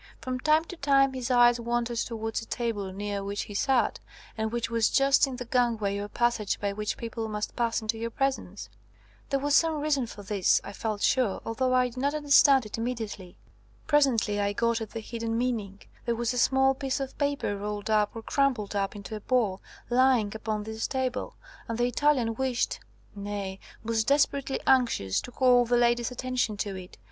From time to time his eyes wandered towards a table near which he sat, and which was just in the gangway or passage by which people must pass into your presence. "There was some reason for this, I felt sure, although I did not understand it immediately. "Presently I got at the hidden meaning There was a small piece of paper, rolled up or crumpled up into a ball, lying upon this table, and the Italian wished, nay, was desperately anxious, to call the lady's attention to it.